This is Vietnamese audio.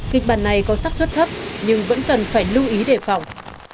kịch bản này có sắc xuất thấp nhưng vẫn cần phải lưu ý đề phòng